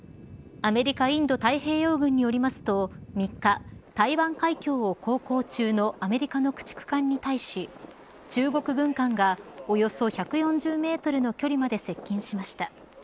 アメリカ、インド太平洋軍によりますと３日、台湾海峡を航行中のアメリカの駆逐艦に対し中国軍艦がおよそ１４０メートルの距離まで接近しました。